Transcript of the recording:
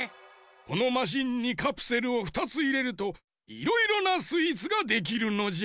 このマシンにカプセルを２ついれるといろいろなスイーツができるのじゃ。